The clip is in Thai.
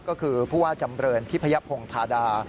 ก็คือพวกว่าจำเรินที่พญพงธาดา